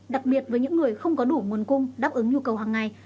đặc biệt với những người không có đủ nguồn cung đáp ứng nhu cầu hàng ngày